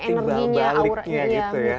energinya auranya gitu ya